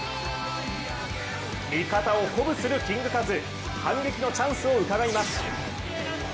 味方を鼓舞するキングカズ反撃のチャンスをうかがいます。